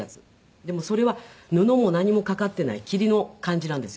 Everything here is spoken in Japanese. でもそれは布も何もかかっていない桐の感じなんですよ。